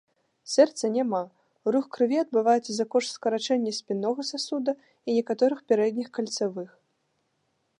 Сэрца няма, рух крыві адбываецца за кошт скарачэння спіннога сасуда і некаторых пярэдніх кальцавых.